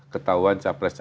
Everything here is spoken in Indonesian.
ketahuan cawa press